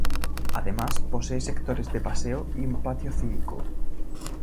Además, posee sectores de paseo, y un patio cívico.